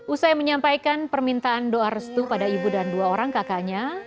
usai menyampaikan permintaan doa restu pada ibu dan dua orang kakaknya